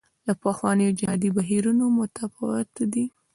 له پخوانیو جهادي بهیرونو متفاوته ده.